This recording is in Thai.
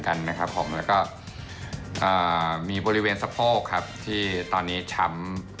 กันนะครับผมแล้วก็มีบริเวณสะโพกครับที่ตอนนี้ช้ำ